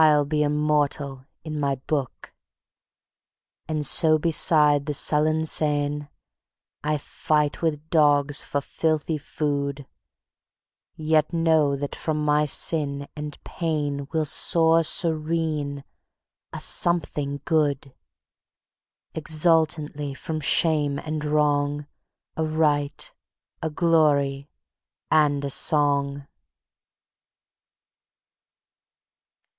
. I'll be immortal in my Book. And so beside the sullen Seine I fight with dogs for filthy food, Yet know that from my sin and pain Will soar serene a Something Good; Exultantly from shame and wrong A Right, a Glory and a Song.